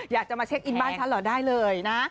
อยากจะมาเช็คอินบ้านฉันเหรอได้เลยนะ